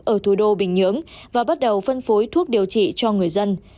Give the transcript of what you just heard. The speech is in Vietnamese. ở thủ đô bình nhưỡng và bắt đầu phân phối thuốc điều trị cho người dân